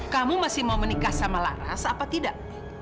kamu masih mau menikah sama laras apa tidak